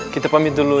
kita pamit dulu ya